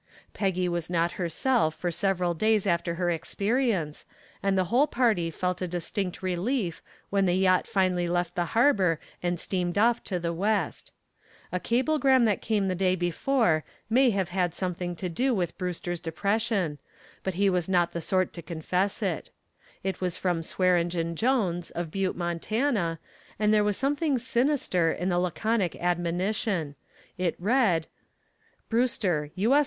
Peggy was not herself for several days after her experience, and the whole party felt a distinct relief when the yacht finally left the harbor and steamed off to the west. A cablegram that came the day before may have had something to do with Brewster's depression, but he was not the sort to confess it. It was from Swearengen Jones, of Butte, Montana, and there was something sinister in the laconic admonition. It read: "BREWSTER, U.S.